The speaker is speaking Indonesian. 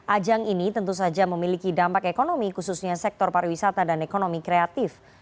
ajang ini tentu saja memiliki dampak ekonomi khususnya sektor pariwisata dan ekonomi kreatif